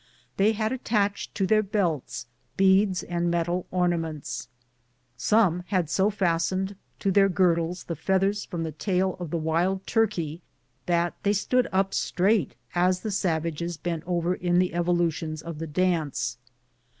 They had attached to their belts beads and metal ornaments. Some had so fastened to their girdleb the feathers from the tail of the wild turkey, that A «' STRONG HEART" DANCE! 133 they stood up straight as the savages bent over in the evohitions of the dance.